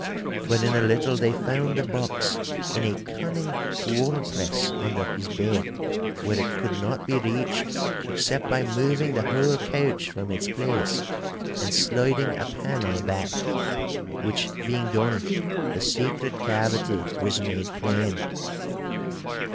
But in a little they found the box in a cunning wall press under his bed, where it could not be reached except by moving the whole couch from its place and sliding a panel back—which being done, the secret cavity was made plain.